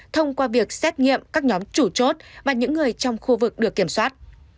thông qua việc xét nghiệm các nhóm chủ chốt và những người trong khu vực được kiểm soát